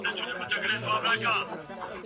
درسي کتابونه تل پر وخت نه رسېدل.